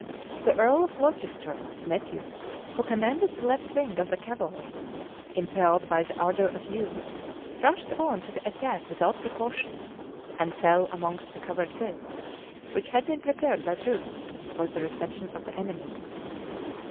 The earl of Glocester, his nephew, who commanded the left wing of the cavalry, impelled by the ardor of youth, rushed on to the attack without precaution, and fell among the covered pits, which had been prepared by Bruce for the reception of the enemy.